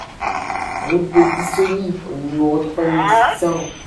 Route de Ghisoni au numéro trois mille six cents